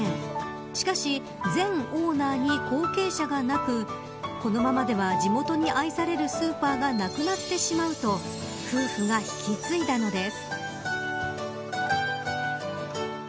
しかし前オーナーに後継者がなくこのままでは地元に愛されるスーパーがなくなってしまうと夫婦が引き継いだのです。